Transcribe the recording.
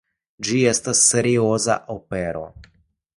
Ĝi estas serioza opero.